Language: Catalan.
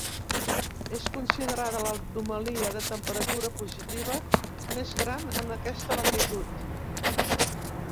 És considerada l'anomalia de temperatura positiva més gran en aquesta latitud.